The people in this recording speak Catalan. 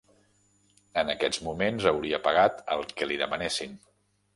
En aquests moments hauria pagat el que li demanessin.